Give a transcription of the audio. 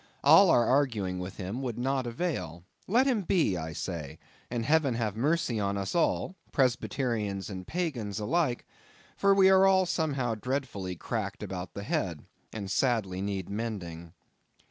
All our arguing with him would not avail; let him be, I say: and Heaven have mercy on us all—Presbyterians and Pagans alike—for we are all somehow dreadfully cracked about the head, and sadly need mending.